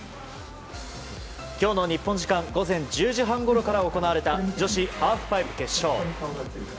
今日の日本時間午前１０時半ごろから行われた女子ハーフパイプ決勝。